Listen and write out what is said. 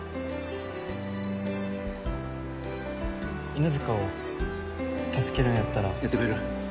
犬塚を助けるんやったらやってくれる？